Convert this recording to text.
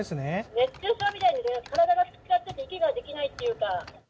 熱中症みたいで、体がつっちゃってて、息ができないっていうか。